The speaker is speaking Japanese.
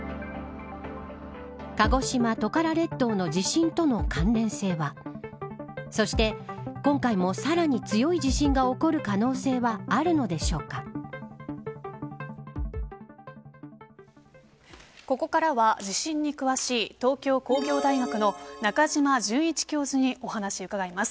鹿児島・トカラ列島の地震との関連性はそして今回もさらに強い地震が起こる可能性はここからは地震に詳しい東京工業大学の中島淳一教授にお話を伺います。